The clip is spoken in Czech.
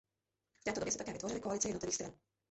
V této době se také vytvořily koalice jednotlivých stran.